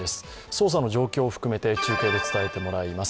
捜査の状況を含めて中継で伝えてもらいます。